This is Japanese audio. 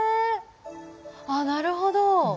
あっなるほど。